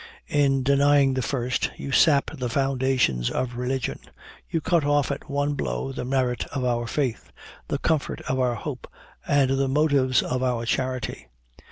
In denying the first, you sap the foundations of religion; you cut off at one blow the merit of our faith, the comfort of our hope, and the motives of our charity.